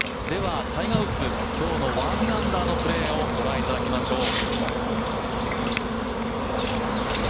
では、タイガー・ウッズ今日の１アンダーのプレーを御覧いただきましょう。